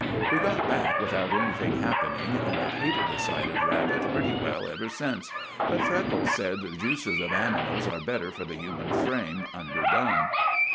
We got back without anything happening, and I've hated the sight of rabbit pretty well ever since, but Freckles said the juices of animals are better for the human frame underdone.